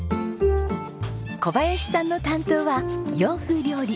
小林さんの担当は洋風料理。